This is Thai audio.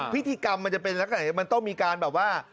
พิธีกรรมมันจะเป็นลักษณะมันต้องมีการแบบว่า